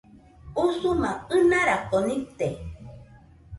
Usuma ɨnarako nite